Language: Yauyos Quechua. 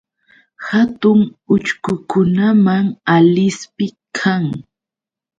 Hatun uchkukunam Alispi kan.